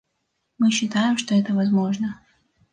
Мы считаем, что это возможно.